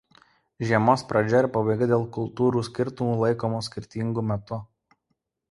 Žiemos pradžia ir pabaiga dėl kultūrų skirtumų laikomos skirtingu metu.